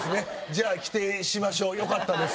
じゃあ否定しましょうよかったです。